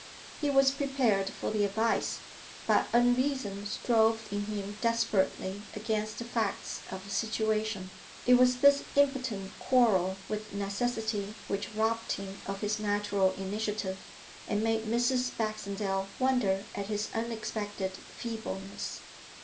He was prepared for the advice, but unreason strove in him desperately against the facts of the situation. It was this impotent quarrel with necessity which robbed him of his natural initiative and made Mrs. Baxendale wonder at his unexpected feebleness.